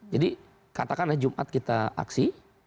jadi katakanlah jumat kita aksi